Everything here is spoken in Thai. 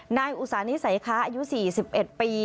อุตสานิสัยค้าอายุ๔๑ปี